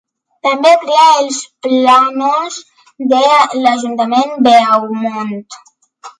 També crea els plànols de l'Ajuntament de Beaumont.